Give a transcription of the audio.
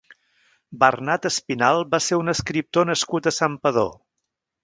Bernart Espinalt va ser un escriptor nascut a Santpedor.